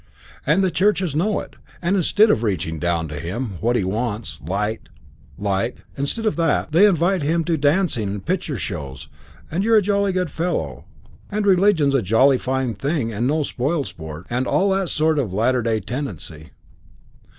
And the churches know it; and instead of reaching down to him what he wants light, light instead of that, they invite him to dancing and picture shows, and you're a jolly good fellow, and religion's a jolly fine thing and no spoilsport, and all that sort of latter day tendency.